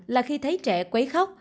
là khi thấy trẻ quấy khóc